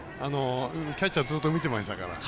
キャッチャーずっと見てましたから。